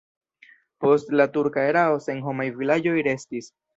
Post la turka erao senhomaj vilaĝoj restis.